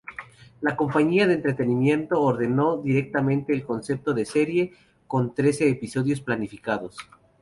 La compañía de entretenimiento ordenó directamente el concepto de serie, con trece episodios planificados.